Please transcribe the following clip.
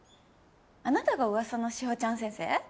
あなたが噂の志保ちゃん先生？